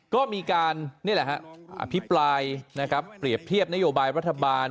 ก็มีการอภิปรายนะครับเปรียบเทียบนโยบายรัฐบาล